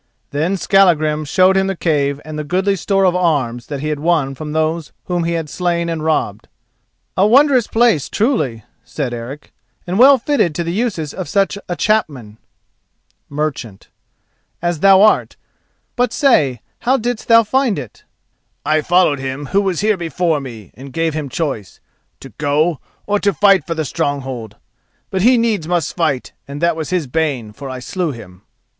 Then Skallagrim showed him the cave and the goodly store of arms that he had won from those whom he had slain and robbed. "A wondrous place, truly," said Eric, "and well fitted to the uses of such a chapman[*] as thou art; but, say, how didst thou find it?" [*] Merchant. "I followed him who was here before me and gave him choice—to go, or to fight for the stronghold. But he needs must fight and that was his bane, for I slew him."